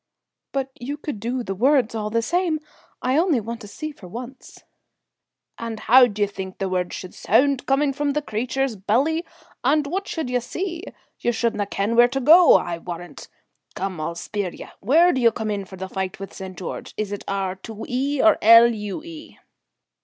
"But you could do the words all the same. I only want to see for once." "And how d'ye think the words should sound, coming from the creature's belly? And what should ye see! You should nae ken where to go, I warrant. Come, I'll spier ye. Where d'ye come in for the fight with St. George is it R 2 E or L U E?"